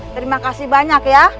terima kasih banyak ya